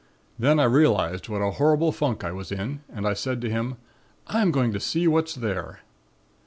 Then I realized what a horrible funk I was in and I said to him: 'I'm going to see what's there.'